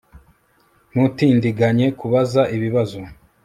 Ntutindiganye kubaza ibibazo